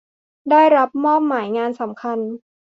ได้รับมอบหมายงานสำคัญ